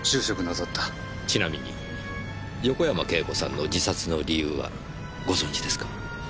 ちなみに横山慶子さんの自殺の理由はご存じですか？